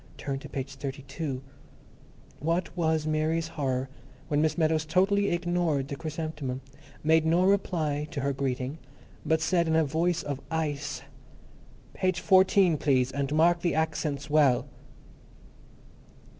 Turn to page thirty two," what was Mary's horror when Miss Meadows totally ignored the chrysanthemum, made no reply to her greeting, but said in a voice of ice, "Page fourteen, please, and mark the accents well."